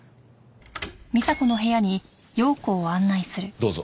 どうぞ。